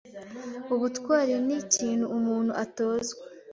Ubutwari nikintu umuntu atozwa